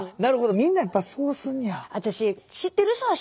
みんなやっぱそうすんねや。